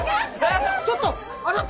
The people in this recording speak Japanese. ちょっとあなた！